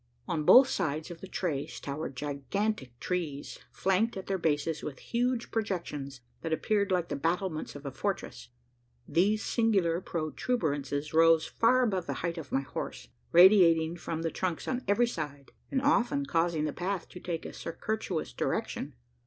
On both sides of the trace towered gigantic trees, flanked at their bases with huge projections, that appeared like the battlements of a fortress, these singular protuberances rose far above the height of my horse radiating from the trunks on every side, and often causing the path to take a circuitous direction.